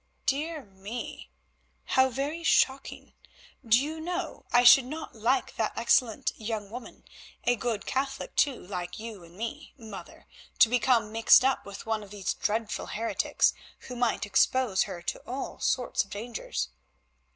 "Dear me, how very shocking. Do you know, I should not like that excellent young woman, a good Catholic too, like you and me, mother, to become mixed up with one of these dreadful heretics, who might expose her to all sorts of dangers.